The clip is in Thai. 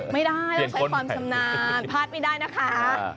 ไม่ได้เราก็เป็นความชำนาญภาษาเป็นไม่ได้นะคะ